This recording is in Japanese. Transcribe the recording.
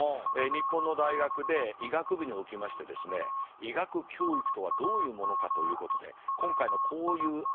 日本の大学で医学部におきましてですね医学教育とはどういうものかということで今回のこういうありようテストの。